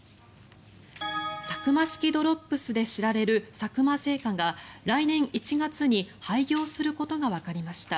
サクマ式ドロップスで知られる佐久間製菓が来年１月に廃業することがわかりました。